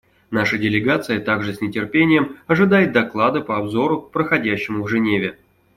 Наша делегация также с нетерпением ожидает доклада по обзору, проходящему в Женеве.